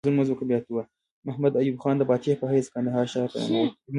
محمد ایوب خان د فاتح په حیث کندهار ښار ته ننوت.